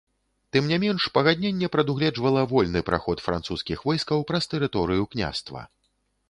Тым не менш, пагадненне прадугледжвала вольны праход французскіх войскаў праз тэрыторыю княства.